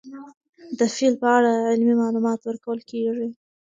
د فیل په اړه علمي معلومات ورکول کېږي.